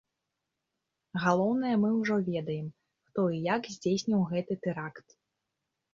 Галоўнае, мы ўжо ведаем, хто і як здзейсніў гэты тэракт.